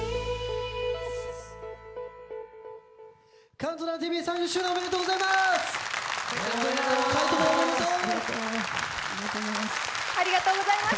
「ＣＤＴＶ」３０周年おめでとうございます！